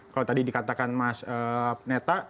kalau tadi dikatakan mas neta